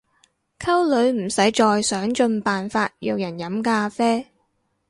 溝女唔使再想盡辦法約人飲咖啡